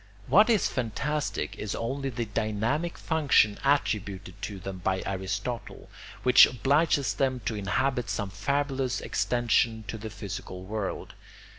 What is fantastic is only the dynamic function attributed to them by Aristotle, which obliges them to inhabit some fabulous extension to the physical world.